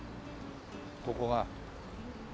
ここが。